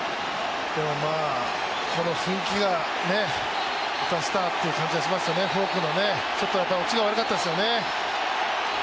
この雰囲気が出したという感じがしますよね、フォークの、ちょっと落ちが悪かったですよね。